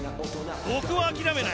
僕は諦めない。